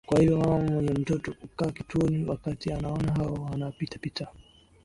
kwa hivyo mama mwenye mtoto kukaa kituoni wakati anaona hawa wana pita pita